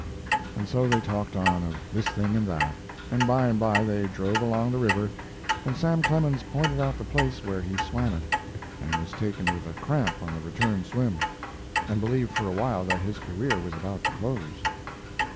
And so they talked on of this thing and that, and by and by they drove along the river, and Sam Clemens pointed out the place where he swam it and was taken with a cramp on the return swim, and believed for a while that his career was about to close.